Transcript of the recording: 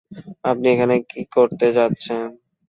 আপনি এখানে কি করতে যাচ্ছেন?